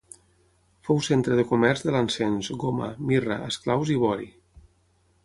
Fou centre de comerç de l'encens, goma, mirra, esclaus i vori.